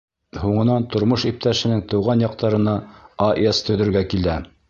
Һуңынан тормош иптәшенең тыуған яҡтарына АЭС төҙөргә килә.